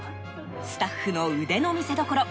スタッフの腕の見せどころ。